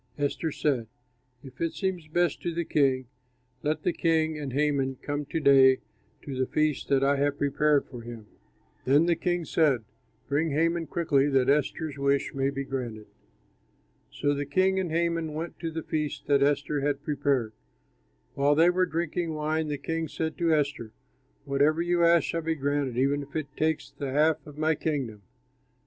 Esther said, "If it seems best to the king, let the king and Haman come to day to the feast that I have prepared for him." Then the king said, "Bring Haman quickly, that Esther's wish may be granted." So the king and Haman went to the feast that Esther had prepared. While they were drinking wine, the king said to Esther, "Whatever you ask shall be granted, even if it takes the half of my kingdom."